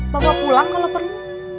bawa pulang kalau perlu